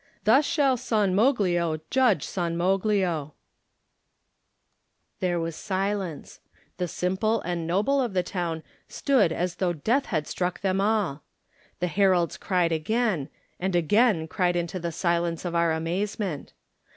Thus shall San Moglio judge SanMoglio/'' There was silence. The simple and noble of the town stood as though death had struck them all. The heralds cried again — and again cried into the silence of our amazement.